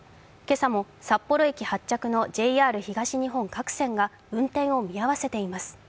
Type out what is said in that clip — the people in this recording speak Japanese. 今朝も札幌駅発着のＪＲ東日本各線が運転を見合わせています。